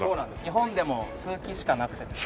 日本でも数基しかなくてですね。